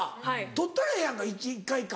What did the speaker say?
取ったらええやんか一回一回。